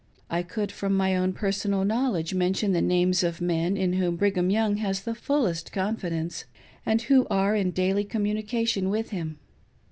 I could, from my own personal knowledge, mention the names of men in whom Brigham Young has the fullest confidence and who are in daily communication with him.